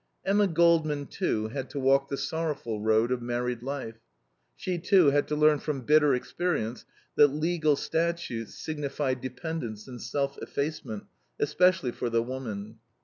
Emma Goldman, too, had to walk the sorrowful road of married life; she, too, had to learn from bitter experience that legal statutes signify dependence and self effacement, especially for the woman.